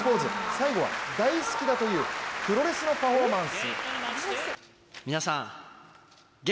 最後は大好きだというプロレスのパフォーマンス。